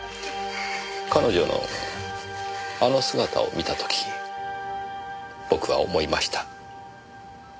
彼女のあの姿を見た時僕は思いました。